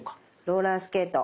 ローラースケート。